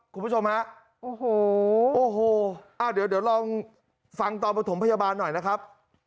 คุณผู้ชมฮะโอ้โหโอ้โหเดี๋ยวลองฟังตอนประถมพยาบาลหน่อยนะครับ